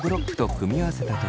組み合わせた時？